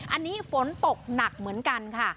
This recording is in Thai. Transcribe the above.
อันนี้ฝนตกหนักเหมือนกันค่ะ